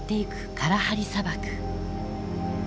カラハリ砂漠。